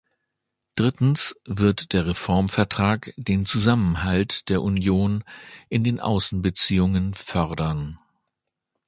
Drittens wird der Reformvertrag den Zusammenhalt der Union in den Außenbeziehungen fördern.